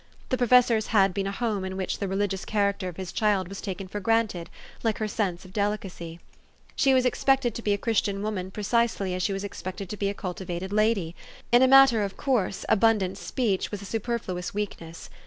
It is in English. The professor's had been a home in which the religious character of his child was taken for granted, like her sense of delicacy. She was expect 366 THE STORY OF AVIS. ed to be a Christian woman precisely as she was expected to be a cultivated lady: in a matter of course, abundant speech was a superfluous weakness.